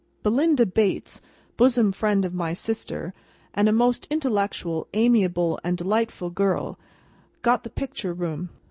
Belinda Bates, bosom friend of my sister, and a most intellectual, amiable, and delightful girl, got the Picture Room.